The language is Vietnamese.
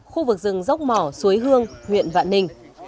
khu vực rừng dốc mỏ suối hương huyện vạn ninh